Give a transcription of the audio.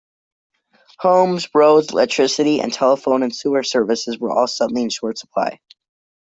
Homes, roads, electricity, telephone and sewer services were all suddenly in short supply.